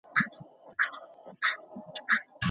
په قلم خط لیکل د موټر مهارتونو د پراختیا نښه ده.